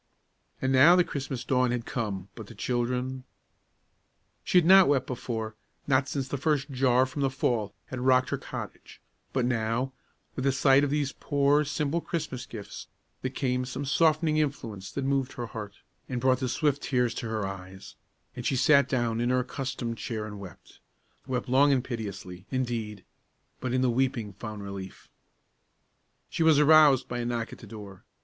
And now the Christmas dawn had come; but the children She had not wept before, not since the first jar from the fall had rocked her cottage; but now, with the sight of these poor, simple Christmas gifts, there came some softening influence that moved her heart, and brought the swift tears to her eyes, and she sat down in her accustomed chair and wept wept long and piteously, indeed, but in the weeping found relief. She was aroused by a knock at the door.